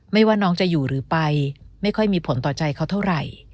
ว่าน้องจะอยู่หรือไปไม่ค่อยมีผลต่อใจเขาเท่าไหร่